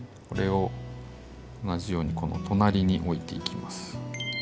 これを同じようにこの隣に置いていきます。